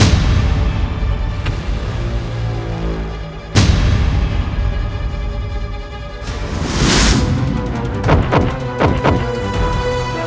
aku puas sekali